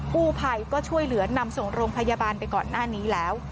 กู้ภัยก็ช่วยเหลือนำส่งโรงพยาบาลไปก่อนหน้านี้แล้ว